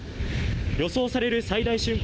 予想される最大瞬間